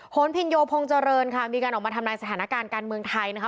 นพินโยพงษ์ค่ะมีการออกมาทำลายสถานการณ์การเมืองไทยนะคะ